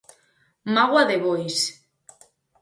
Mágoa de bois!